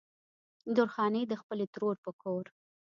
درخانۍ د خپلې ترور په کور